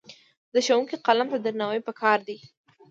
د ښوونکي قلم ته درناوی پکار دی.